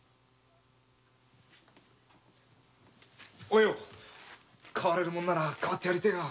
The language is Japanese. お葉代われるものなら代わってやりてぇが。